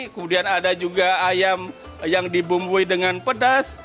kemudian ada juga ayam yang dibumbui dengan pedas